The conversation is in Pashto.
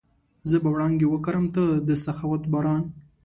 زه به وړانګې وکرم، ته د سخاوت باران